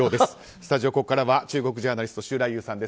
スタジオ、ここからは中国ジャーナリスト周来友さんです。